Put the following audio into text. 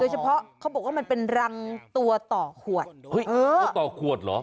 เฉพาะเขาบอกว่ามันเป็นรังตัวต่อขวดเฮ้ยเออต่อขวดเหรอ